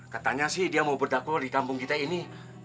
katanya sih dia mau berdakwah di kampung kita ini